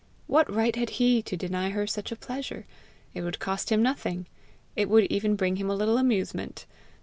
What right had he to deny her such a pleasure! It would cost him nothing! It would even bring him a little amusement!